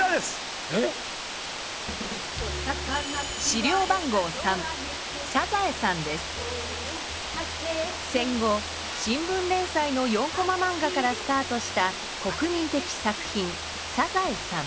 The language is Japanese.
資料番号３戦後新聞れんさいの４コマまんがからスタートした国民的作品「サザエさん」。